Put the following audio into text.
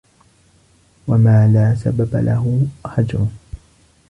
وَمَا لَا سَبَبَ لَهُ هَجْرٌ